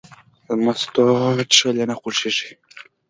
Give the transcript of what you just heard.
له مستو څښل یې نه خوښېږي.